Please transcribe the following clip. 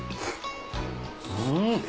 うん！